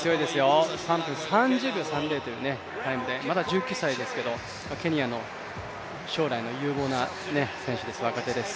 ３分３０秒３０というタイムで、まだ１９歳ですけど、ケニアの将来の有望な選手です、若手です。